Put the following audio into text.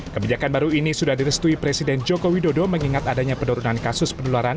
kebijakan baru ini sudah direstui presiden joko widodo mengingat adanya penurunan kasus penularan